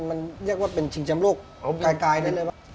มันเรียกว่าเป็นชิงแชมป์ลูกไกลได้เลยปะ